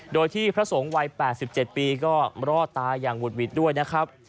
โดยที่พระสงฆ์วัย๘๗ปีก็รอดตายอย่างหุดหวิดด้วยนะครับ